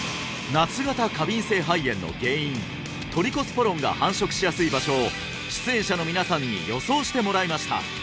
夏型過敏性肺炎の原因トリコスポロンが繁殖しやすい場所を出演者の皆さんに予想してもらいました